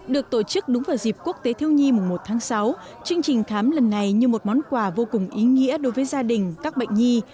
được tổ chức đúng vào dịp quốc tế thiêu nhi mùa một tháng sáu chương trình khám lần này như một món quà vô cùng ý nghĩa đối với gia đình các bệnh nhi